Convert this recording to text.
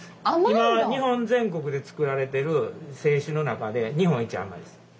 今日本全国で造られてる清酒の中で日本一甘いです。